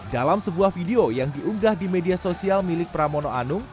dalam sebuah video yang diunggah di media sosial milik pramono anung